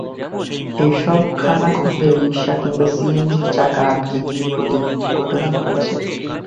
এসব খানাখন্দে রিকশা কিংবা সিএনজির চাকা আটকে গিয়ে প্রতিদিনই দুর্ঘটনা ঘটছে।